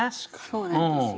そうなんですよ。